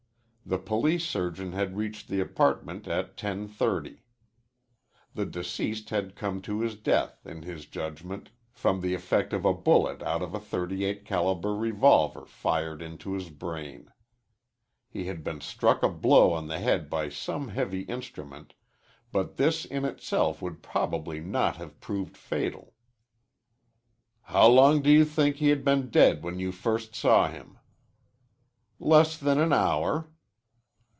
The police surgeon had reached the apartment at 10.30. The deceased had come to his death, in his judgment, from the effect of a bullet out of a .38 caliber revolver fired into his brain. He had been struck a blow on the head by some heavy instrument, but this in itself would probably not have proved fatal. "How long do you think he had been dead when you first saw him?" "Less than an hour."